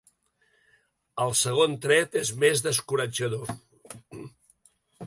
El segon tret és més descoratjador.